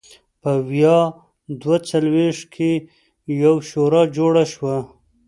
په ویا دوه څلوېښت کې یوه شورا جوړه شوه.